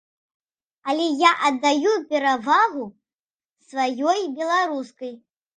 Але я аддаю перавагу сваёй беларускай.